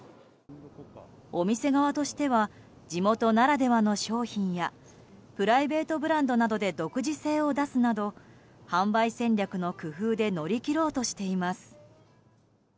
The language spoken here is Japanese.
お店側としては地元ならではの商品やプライベートブランドなどで独自性を出すなど販売戦略の工夫で乗り切ろうとしています。